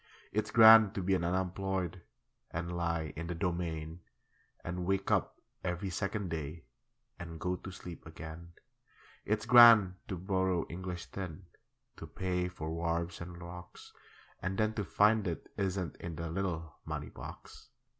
It's grand to be an unemployed And lie in the Domain, And wake up every second day And go to sleep again. It's grand to borrow English tin To pay for wharves and Rocks, And then to find it isn't in The little money box.